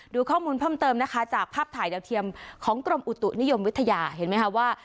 ดูข้อมูลเพิ่มเติมนะคะจากภาพถ่ายดาวเทียมของกรมอุตุนิยมวิทยาเห็นไหมคะว่า